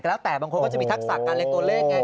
ก็แล้วแต่บางคนคนจะมีทักษะการเลขตัวเลขงี้